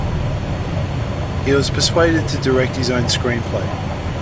He was persuaded to direct his own screenplay.